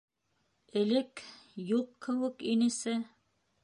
Элек... юҡ кеүек инесе...